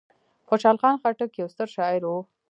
خوشحال خان خټک یو ستر شاعر و.